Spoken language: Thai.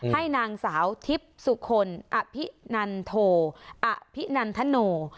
ให้นางสาวทิพย์สุคลอภินันโทอภินันทโน